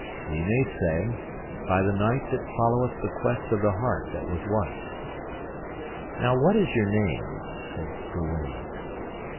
Ye may say, By the knight that followeth the quest of the hart that was white. Now what is your name? said Gawaine.